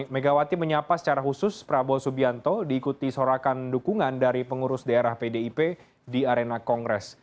megawati menyapa secara khusus prabowo subianto diikuti sorakan dukungan dari pengurus daerah pdip di arena kongres